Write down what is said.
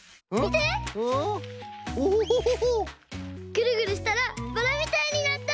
ぐるぐるしたらバラみたいになった！